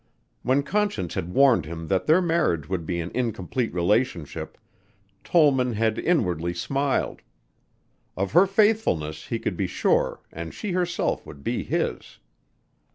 When Conscience had warned him that their marriage would be an incomplete relationship Tollman had inwardly smiled. Of her faithfulness he could be sure and she herself would be his.